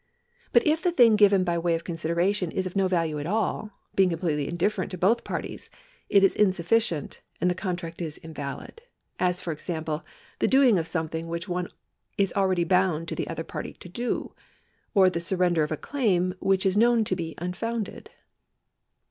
But if the thing given by way of consideration is of no value at all, being completely indifferent to both parties, it is insufficient, and the contract is invalid ; as, for example, the doing of something which one is already bound to the other party to do, or the sur render of a claim which is known to be unfounded.